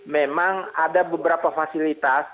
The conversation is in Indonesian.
memang ada beberapa fasilitas